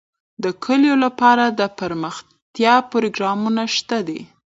د کلیو لپاره دپرمختیا پروګرامونه شته دي.